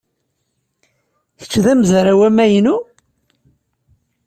Kečč d amezraw amaynu?